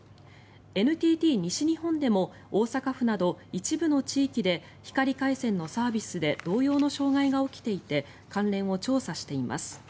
ＮＴＴ西日本でも大阪府など一部の地域で光回線のサービスで同様の障害が起きていて関連を調査しています。